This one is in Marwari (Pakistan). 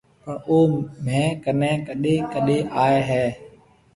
پڻ او مهيَ ڪنيَ ڪڏيَ ڪڏيَ آئي هيَ۔